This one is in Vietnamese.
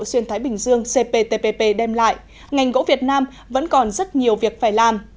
xuyên thái bình dương cptpp đem lại ngành gỗ việt nam vẫn còn rất nhiều việc phải làm